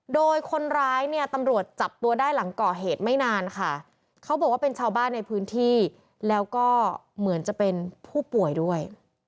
โดยคนร้ายเนี่ยตำรวจจับตัวได้หลังก่อเหตุไม่นานค่ะเขาบอกว่าเป็นชาวบ้านในพื้นที่แล้วก็เหมือนจะเป็นผู้ป่วยด้วย